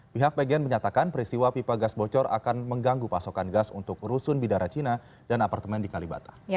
pihak pgn menyatakan peristiwa pipa gas bocor akan mengganggu pasokan gas untuk rusun bidara cina dan apartemen di kalibata